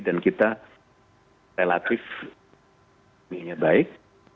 dan kita relatif baik